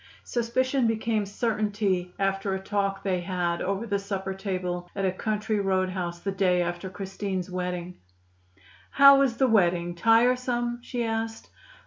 Suspicion became certainty after a talk they had over the supper table at a country road house the day after Christine's wedding. "How was the wedding tiresome?" she asked.